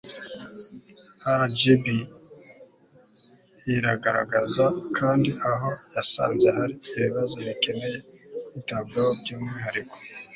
rgb iragaragaza kandi aho yasanze hari ibibazo bikeneye kwitabwaho by'umwihariko